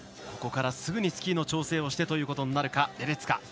ここからすぐにスキーの調整をしてということになるかレデツカ。